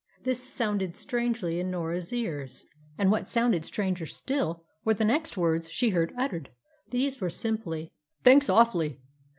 This sounded strangely in Norah's ears, and what sounded stranger still were the next words she heard uttered; these were simply "Thanks, awfully!"